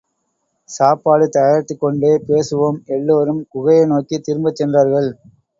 சாப்பாடு தயாரித்துக்கொண்டே பேசுவோம். எல்லாரும் குகையை நோக்கித் திரும்பிச் சென்றார்கள்.